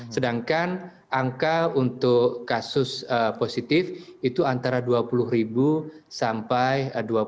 sedangkan angka untuk kasus positif itu antara dua puluh sampai dua puluh